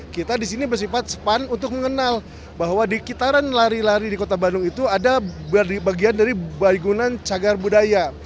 kita di sini bersifat span untuk mengenal bahwa di kitaran lari lari di kota bandung itu ada bagian dari bagunan cagar budaya